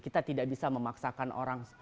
kita tidak bisa memaksakan orang